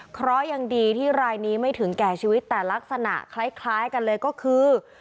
เพราะยังดีที่รายนี้ไม่ถึงแก่ชีวิตแต่ลักษณะคล้ายกันเลยก็คือ